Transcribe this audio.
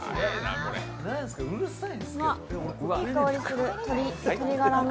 いい香りする、鶏がらの。